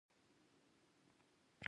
زه ډېر ملاتړي لرم.